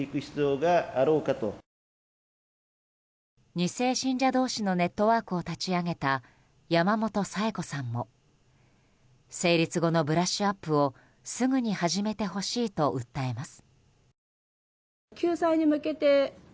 ２世信者同士のネットワークを立ち上げた山本サエコさんも成立後のブラッシュアップをすぐに始めてほしいと訴えます。